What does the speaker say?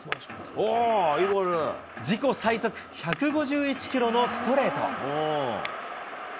自己最速１５１キロのストレート。